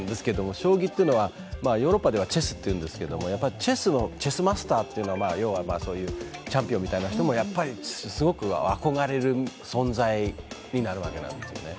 将棋というのはヨーロッパではチェスというんですけとチェスマスターというチャンピオンみたいな人もすごく憧れられる存在になるわけですね。